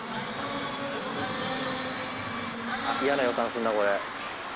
嫌な予感するなこれ。